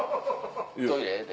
トイレで？